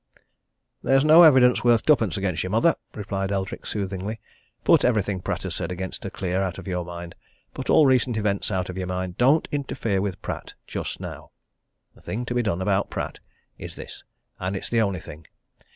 "There is no evidence worth twopence against your mother!" replied Eldrick soothingly. "Put everything that Pratt has said against her clear out of your mind. Put all recent events out of your mind! Don't interfere with Pratt just now. The thing to be done about Pratt is this and it's the only thing.